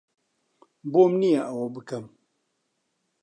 بۆم نییە ئەوە بکەم.